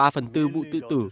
ba phần tư vụ tự tử